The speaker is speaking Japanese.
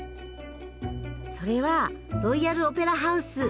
それはロイヤル・オペラ・ハウス。